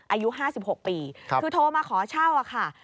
อายุ๕๖ปีคือโทรมาขอเช่าค่ะ